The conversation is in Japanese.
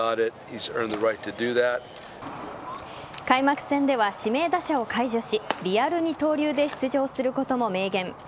開幕戦では指名打者を解除しリアル二刀流で出場することも明言。